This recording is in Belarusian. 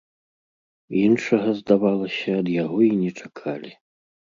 Іншага, здавалася, ад яго і не чакалі.